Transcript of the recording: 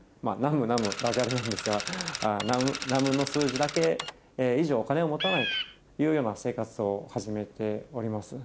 ダジャレなんですがなむなむの数字だけ以上お金を持たないというような生活を始めております。